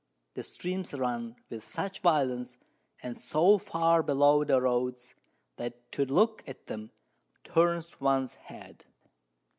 The Streams run with such Violence, and so far below the Roads, that to look at them turns ones Head.